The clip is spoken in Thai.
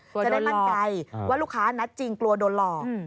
กลัวโดนหลอกจะได้มั่นไกลว่าลูกค้านัดจริงกลัวโดนหลอก